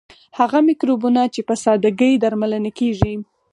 هغه مکروبونه چې په ساده ګۍ درملنه کیږي.